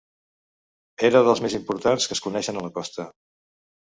Era dels més importants que es coneixen a la costa.